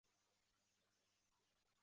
不会因此滑倒